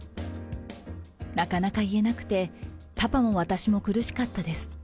なかなか言えなくて、パパも私も苦しかったです。